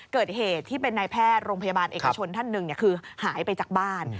เกิดเหตุที่เป็นนายแพทย์โรงพยาบาลเอกชนท่านหนึ่งคือหายไปจากบ้าน